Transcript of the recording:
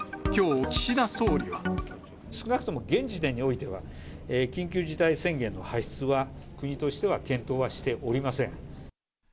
少なくとも現時点においては、緊急事態宣言の発出は国としては検討はしておりません。